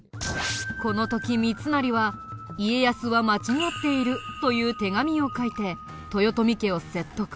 この時三成は「家康は間違っている」という手紙を書いて豊臣家を説得。